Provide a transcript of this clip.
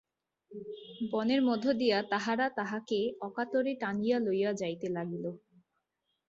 বনের মধ্য দিয়া তাহারা তাঁহাকে অকাতরে টানিয়া লইয়া যাইতে লাগিল।